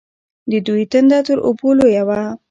د دوی تنده تر اوبو لویه وه.